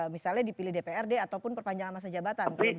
misalnya dipilih dprd ataupun perpanjangan masa jabatan